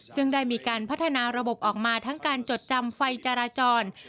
ซึ่งได้มีการพัฒนาระบบออกมาทั้งการจดจำไฟจราจร